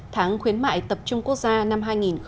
tháng khuyến mại tập trung quốc gia năm hai nghìn hai mươi